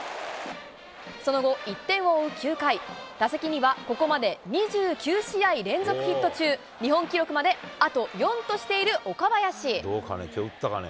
その後、１点を追う９回、打席にはここまで２９試合連続ヒット中、日本記録まであと４としている岡林。